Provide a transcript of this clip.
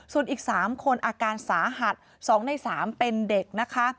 ส่วนอีก๓คนอาการสาหัส๒ใน๓เป็นเด็กนะคะ